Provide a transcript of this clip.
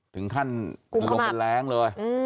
ถึงขั้นกลัวลมเป็นแรงเลย